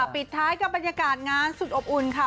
ปิดท้ายกับบรรยากาศงานสุดอบอุ่นค่ะ